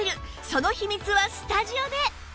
その秘密はスタジオで！